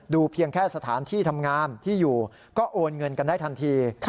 เพียงแค่สถานที่ทำงานที่อยู่ก็โอนเงินกันได้ทันที